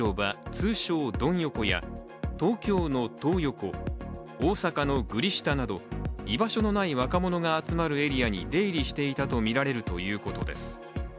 通称ドン横や東京のトー横、大阪のグリ下など居場所のない若者が集まるエリアに出入りしていたとみられるということです。